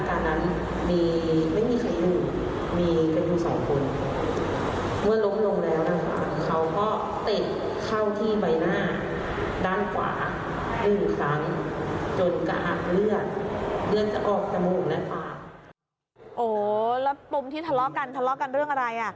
โอ้โหแล้วปมที่ทะเลาะกันทะเลาะกันเรื่องอะไรอ่ะ